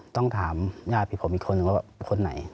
ต้องถามย่าพี่ของผมเหลือคนหนึ่งว่าคนไหน